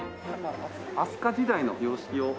飛鳥時代の様式を。